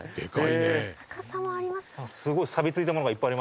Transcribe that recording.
すごい。